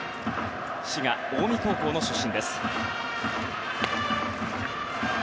滋賀・近江高校の出身。